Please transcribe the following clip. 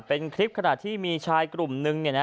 เป็นคลิปขนาดที่มีชายกลุ่มนึงเนี่ยนะ